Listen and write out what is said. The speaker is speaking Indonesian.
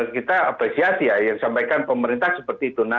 kita apresiasi ya yang disampaikan pemerintah seperti itu